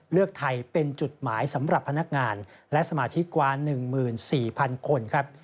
เลือกไทยเป็นจุดหมายสำหรับพนักงานและสมาชิกกว่า๑๔๐๐๐คนครับ